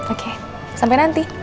oke sampai nanti